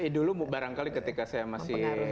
dulu barangkali ketika saya masih